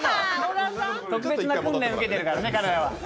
特別な訓練受けてるからね、彼は。